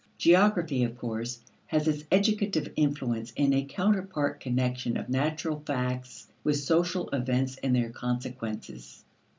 Geography, of course, has its educative influence in a counterpart connection of natural facts with social events and their consequences.